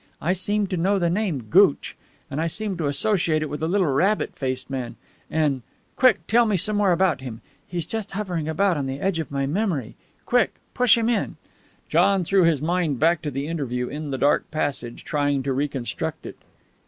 I seem to know the name, Gooch. And I seem to associate it with a little, rabbit faced man. And quick, tell me some more about him. He's just hovering about on the edge of my memory. Quick! Push him in!" John threw his mind back to the interview in the dark passage, trying to reconstruct it.